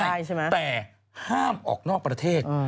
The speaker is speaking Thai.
แต่ห้ามออกนอกประเทศ